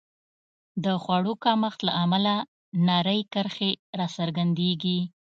د خوړو کمښت له امله نرۍ کرښې راڅرګندېږي.